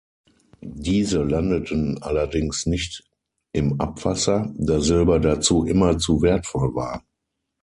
Diese landeten allerdings nicht im Abwasser, da Silber dazu immer zu wertvoll war.